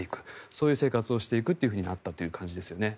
そういう生活をしていくというふうになったという感じですね。